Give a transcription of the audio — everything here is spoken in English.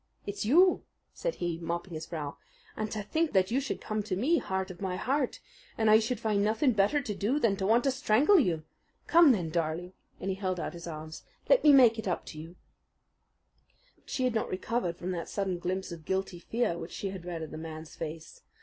"It's you!" said he, mopping his brow. "And to think that you should come to me, heart of my heart, and I should find nothing better to do than to want to strangle you! Come then, darling," and he held out his arms, "let me make it up to you." But she had not recovered from that sudden glimpse of guilty fear which she had read in the man's face.